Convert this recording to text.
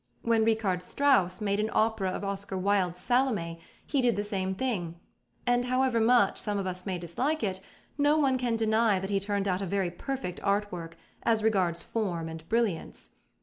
When Richard Strauss made an opera of Oscar Wilde's Salome, he did the same thing, and, however much some of us may dislike it, no one can deny that he turned out a very perfect art work, as regards form and brilliance.